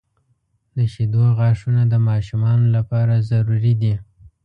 • د شیدو غاښونه د ماشومانو لپاره ضروري دي.